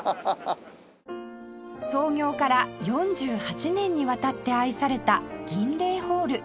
創業から４８年にわたって愛されたギンレイホール